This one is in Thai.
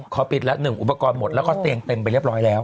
ขอปิดละ๑อุปกรณ์หมดแล้วก็เตียงเต็มไปเรียบร้อยแล้ว